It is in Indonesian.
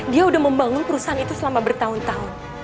dia sudah membangun perusahaan itu selama bertahun tahun